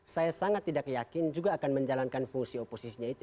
saya sangat tidak yakin juga akan menjalankan fungsi oposisinya itu